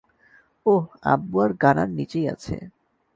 ওহ, আব্বু আর গানার নিচেই আছে।